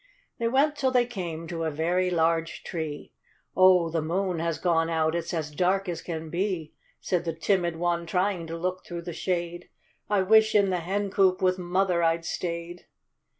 They went till they came to a very large tree : 0, the moon has gone out ; it's as dark as can be," Said the timid one, trying to look through the shade : I wibh in the hen coop with mother I'd stayed."